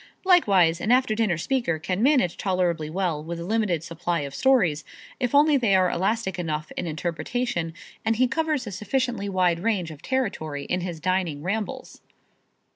Likewise, an after dinner speaker can manage tolerably well with a limited supply of stories, if only they are elastic enough in interpretation and he covers a sufficiently wide range of territory in his dining rambles.